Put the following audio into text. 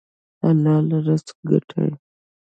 حلال رزق ګټئ